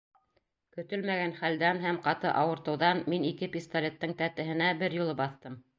Көтөлмәгән хәлдән һәм ҡаты ауыртыуҙан мин ике пистолеттың тәтеһенә бер юлы баҫтым.